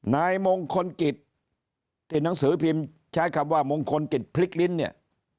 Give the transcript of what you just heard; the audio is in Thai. นายมงคลกิจที่หนังสือพิมพ์ใช้คำว่ามงคลกิจพลิกลิ้นเนี่ย